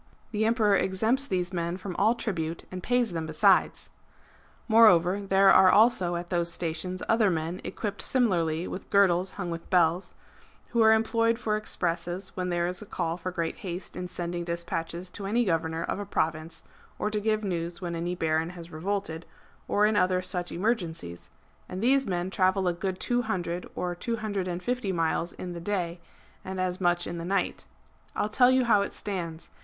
^) The Emperor exempts these men from all tribute, and pays them besides. Moreover, there are also at those stations other men equipt similarly with girdles hung with bells, who are VOL. I, 2 E 2 436 MARCO POLO Book II. employed for expresses when there is a call for great haste in sending despatches to any governor of a province, or to give news when any Baron has revolted, or in other such emergencies ; and these men travel a good two hundred or two hundred and fifty miles in the day, and as much in the night. I'll tell you how it stands.